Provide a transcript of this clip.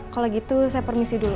kalau gitu saya permisi dulu